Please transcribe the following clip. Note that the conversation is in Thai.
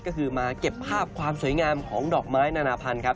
ก็คือมาเก็บภาพความสวยงามของดอกไม้นานาพันธ์ครับ